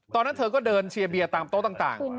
ตอนนั้นเธอก็เดินเชียร์เบียร์ตามโต๊ะต่าง